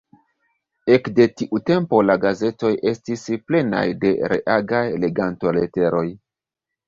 Ekde tiu tempo la gazetoj estis plenaj de reagaj legantoleteroj.